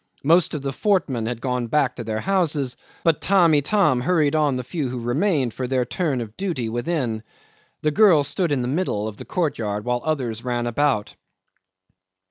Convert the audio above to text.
Most of the fortmen had gone back to their houses, but Tamb' Itam hurried on the few who remained for their turn of duty within. The girl stood in the middle of the courtyard while the others ran about.